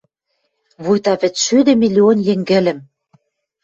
Вуйта вӹцшӱдӹ миллион йӹнгӹлӹм...